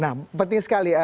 nah penting sekali